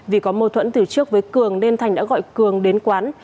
vì có mâu thuẫn từ trước với cường nên thành đã gọi cường đến quán